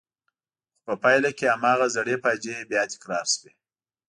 خو په پایله کې هماغه زړې فاجعې بیا تکرار شوې.